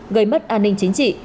gây mất an ninh chính trị